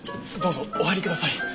どうぞお入りください。